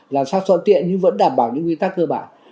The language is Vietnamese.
làm sao soạn tiện nhưng vẫn đảm bảo những nguyên tắc cơ bản